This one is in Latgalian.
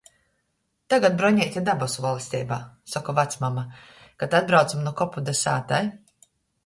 "Tagad Broneite dabasu vaļsteibā," soka vacmama, kod atbraucam nu kopu da sātai.